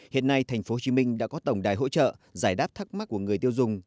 hiện nay tp hcm đã có tổng đài hỗ trợ giải đáp thắc mắc của người tiêu dùng